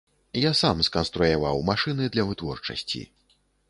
Я сам сканструяваў машыны для вытворчасці.